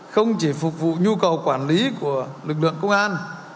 không chỉ phục vụ nhu cầu quản lý của lực lượng công an